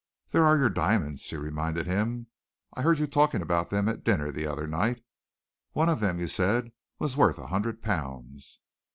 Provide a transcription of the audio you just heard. "There are your diamonds," she reminded him. "I heard you talking about them at dinner the other night. One of them you said was worth a hundred pounds."